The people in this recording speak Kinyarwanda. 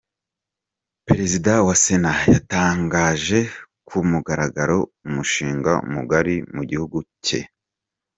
Perezida wa Sena yatangije ku mugaragaro umushinga Mugari mugihugu cye